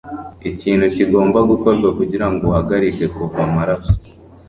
Ikintu kigomba gukorwa kugirango uhagarike kuva amaraso.